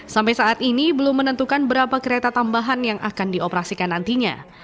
sampai saat ini belum menentukan berapa kereta tambahan yang akan dioperasikan nantinya